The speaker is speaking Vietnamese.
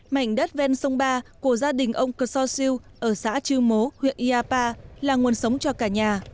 mảnh đất ven sông ba của gia đình ông ksosiu ở xã chư mố huyện yapa là nguồn sống cho cả nhà